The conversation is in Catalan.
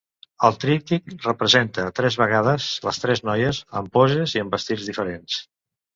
El tríptic representa tres vegades les tres noies, en poses i amb vestits diferents.